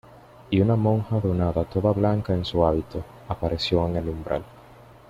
y una monja donada toda blanca en su hábito, apareció en el umbral: